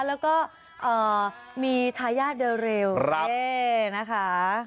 แล้วก็มีทายาเดอร์เรลโอเคนะคะ